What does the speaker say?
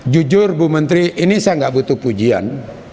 jujur bu menteri ini saya nggak butuh pujian